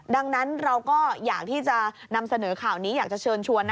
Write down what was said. ดังนั้นเราก็อยากที่จะนำเสนอข่าวนี้อยากจะเชิญชวน